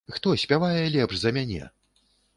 Хто спявае лепш за мяне?